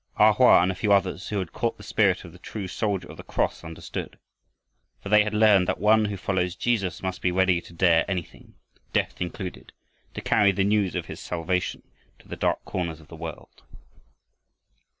A Hoa and a few others who had caught the spirit of the true soldier of the cross understood. For they had learned that one who follows Jesus must be ready to dare anything, death included, to carry the news of his salvation to the dark corners of the world.